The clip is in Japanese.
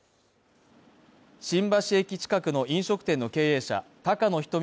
新橋駅近くの飲食店の経営者高野ひとみ